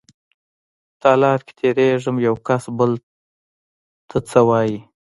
تالار کې تېرېږم يوکس بل ته څه وايي.